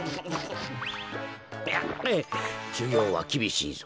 しゅぎょうはきびしいぞ。